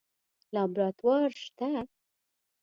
لابراتوار شته؟